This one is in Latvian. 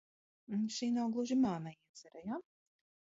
Šī nav gluži mana iecere, ja?